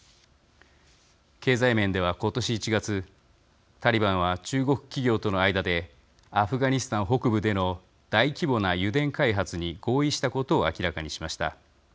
経済面では、今年１月タリバンは中国企業との間でアフガニスタン北部での大規模な油田開発に合意したことを明らかにしました。